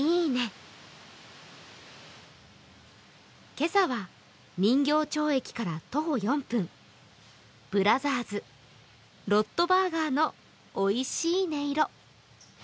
今朝は人形町駅から徒歩４分、ＢＲＯＺＥＲＳ’ロットバーガーのおいしい音色。